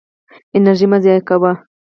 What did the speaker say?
انرژي مه ضایع کوه.